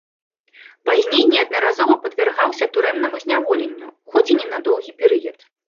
Пазней неаднаразова падвяргаўся турэмнаму зняволенню, хоць і не на доўгі перыяд.